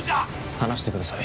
離してください